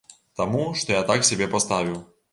Таму што я так сябе паставіў.